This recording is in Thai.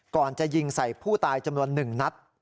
ก่อนจะยิงใส่ผู้ตายจำนวน๑นัด